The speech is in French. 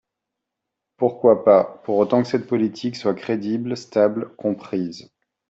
Pourquoi pas, pour autant que cette politique soit crédible, stable, comprise.